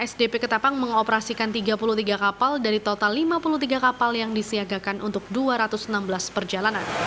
sdp ketapang mengoperasikan tiga puluh tiga kapal dari total lima puluh tiga kapal yang disiagakan untuk dua ratus enam belas perjalanan